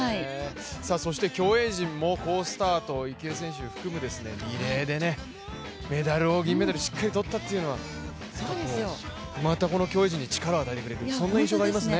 競泳陣も好スタート、池江選手を含む、リレーでメダルを銀メダルをしっかり取ったというのはまたこの競泳陣に力を与えてくれるそんな感じがしますね。